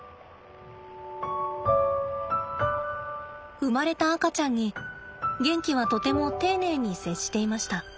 生まれた赤ちゃんにゲンキはとても丁寧に接していました。